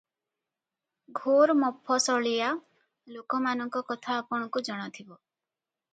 ଘୋର ମଫସଲିଆ ଲୋକମାନଙ୍କ କଥା ଆପଣଙ୍କୁ ଜଣାଥିବ ।